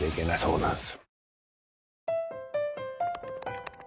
そうなんです。